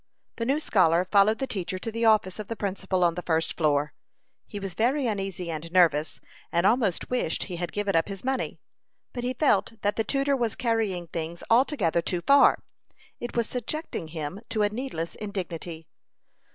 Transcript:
The new scholar followed the teacher to the office of the principal on the first floor. He was very uneasy and nervous, and almost wished he had given up his money. But he felt that the tutor was carrying things altogether too far. It was subjecting him to a needless indignity.